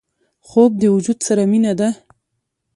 خوب د وجود سره مینه ده